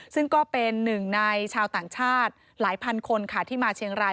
ซึ่งก็เป็นหนึ่งในชาวต่างชาติหลายพันคนค่ะที่มาเชียงราย